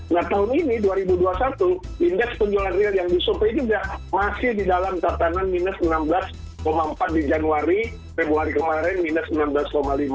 nah tahun ini dua ribu dua puluh satu indeks penjualan real yang disurvey juga masih di dalam tatanan minus enam belas empat di januari februari kemarin minus enam belas lima